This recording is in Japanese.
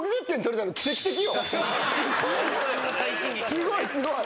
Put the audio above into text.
すごいすごい！